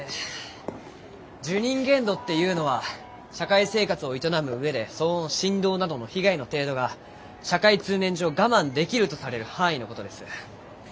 受忍限度っていうのは社会生活を営む上で騒音振動などの被害の程度が社会通念上我慢できるとされる範囲の事です。